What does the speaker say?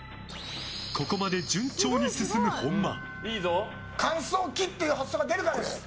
ここまで順調に進む本間。